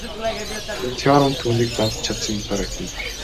Харин Теорем түүнийг давж чадсан мэт харагдана.